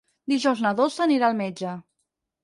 Dijous na Dolça anirà al metge.